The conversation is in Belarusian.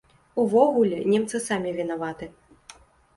Увогуле, немцы самі вінаваты.